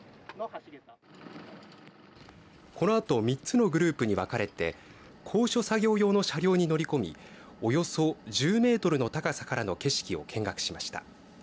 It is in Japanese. このあと３つのグループに分かれて高所作業用の車両に乗り込みおよそ１０メートルの高さからの景色を見学しました。